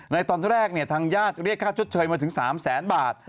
ในตอนแรกทางญาติเรียกค่าชดเชยมาถึง๓แสนบาท